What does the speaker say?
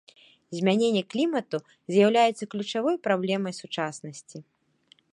Змяненне клімату з'яўляецца ключавой праблемай сучаснасці.